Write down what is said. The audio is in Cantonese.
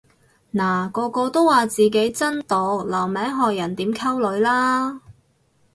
嗱個個都話自己真毒留名學人點溝女啦